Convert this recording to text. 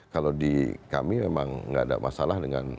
kalau di kami memang nggak ada masalah dengan